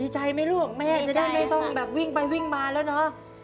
ใจไหมลูกแม่จะได้ไม่ต้องแบบวิ่งไปวิ่งมาแล้วเนอะ